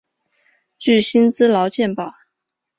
具薪资劳健保